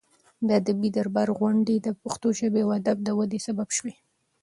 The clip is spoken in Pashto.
د ادبي دربار غونډې د پښتو ژبې او ادب د ودې سبب شوې.